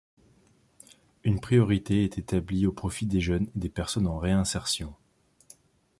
Une priorité est établie au profit des jeunes et des personnes en réinsertion.